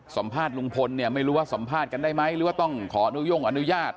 สัมภาษณ์ลุงพลเนี่ยไม่รู้ว่าสัมภาษณ์กันได้ไหมหรือว่าต้องขออนุโย่งอนุญาต